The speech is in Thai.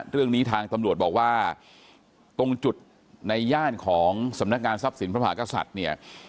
เรื่องนี้ทางตำรวจบอกว่าตรงจุดในย่านของสำนักงานทรัพย์สินพระมหากษัตริย์เนี่ย